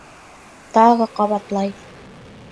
Тағы ҡабатлай.